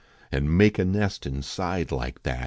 An make a nest inside like that.